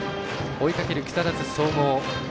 追いかける木更津総合。